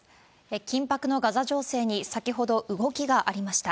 緊迫のガザ情勢に先ほど動きがありました。